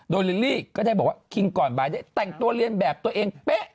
โดยลิลลี่ก็ได้บอกว่าคิงก่อนบ่ายได้แต่งตัวเรียนแบบตัวเองเป๊ะ